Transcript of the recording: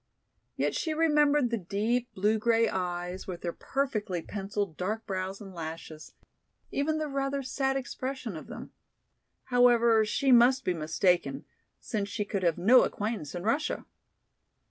Yet she remembered the deep blue gray eyes with their perfectly penciled dark brows and lashes, even the rather sad expression of them. However, she must be mistaken, since she could have no acquaintance in Russia!